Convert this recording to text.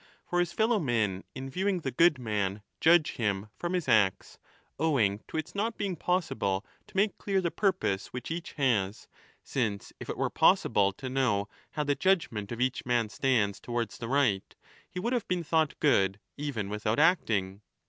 For his fellow men in viewing the good man judge him from his acts, owing to its not being possible to make clear the purpose which each has, since if it were possible to know how the judgement of each man stands towards the right, he would 5 have been thought good even without acting.